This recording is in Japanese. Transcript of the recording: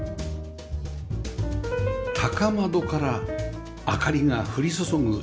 高窓から明かりが降り注ぐ１階フロア